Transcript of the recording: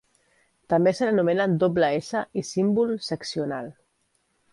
També se l'anomena "doble S" i "símbol seccional".